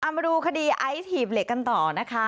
มาดูคดีไอซ์หีบเหล็กกันต่อนะคะ